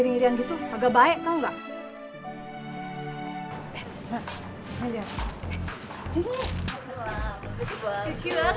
mana mungkin yang mau ke tempat beginian